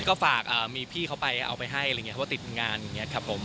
ก็ฝากมีพี่เขาไปเอาไปให้ว่าติดงานอย่างนี้ครับผม